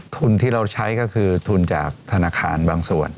ทุนที่เราใช้ก็คือทุนจากธนาคารบางส่วน